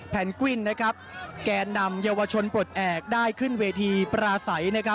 แนนกวินแกนนำเยาวชนปลดแอบได้ขึ้นเวทีปราศัย